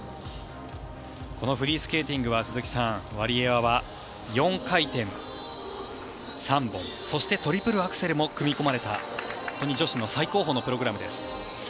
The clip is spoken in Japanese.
このフリースケーティングは鈴木さん、ワリエワは４回転、３本そしてトリプルアクセルも組み込まれた本当に女子の最高峰のプログラムです。